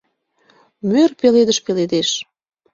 Мӧр пеледыш пеледеш.